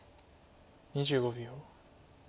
２５秒。